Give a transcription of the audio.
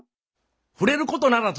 触れることならず。